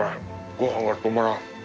ご飯が止まらん。